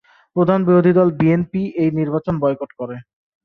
প্রধান বিরোধী দল বিএনপি এই নির্বাচন বয়কট করে।